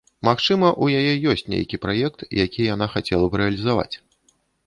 Магчыма, у яе ёсць нейкі праект, які яна хацела б рэалізаваць.